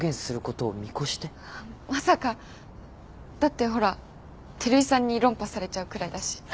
だってほら照井さんに論破されちゃうくらいだし。